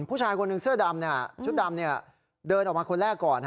ผู้ชายคนหนึ่งเสื้อดำชุดดำเดินออกมาคนแรกก่อน